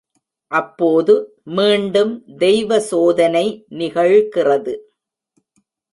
அப்போது, மீண்டும் தெய்வ சோதனை நிகழ்கிறது.